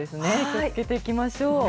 気をつけていきましょう。